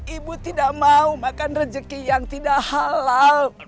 ibu tidak mau makan rezeki yang tidak halal